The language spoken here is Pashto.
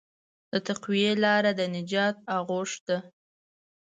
د تقوی لاره د نجات آغوش ده.